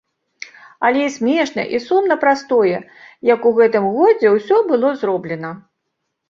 Але і смешна і сумна праз тое, як у гэтым годзе ўсё было зроблена.